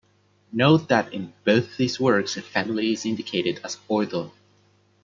Note that in both these works a family is indicated as "ordo".